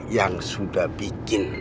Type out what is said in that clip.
yang sudah bikin